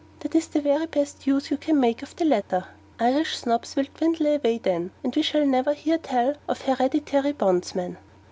that is the very best use you can make of the latter. Irish snobs will dwindle away then and we shall never hear tell of Hereditary bondsmen.